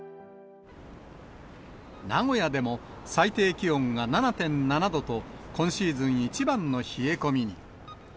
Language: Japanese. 名古屋でも、最低気温が７．７度と、今シーズン一番の冷え込みに。